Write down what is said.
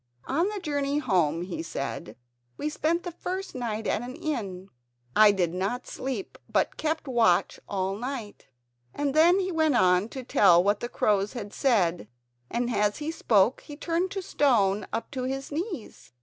"On our journey home," he said, "we spent the first night at an inn. I did not sleep but kept watch all night." And then he went on to tell what the crows had said, and as he spoke he turned to stone up to his knees.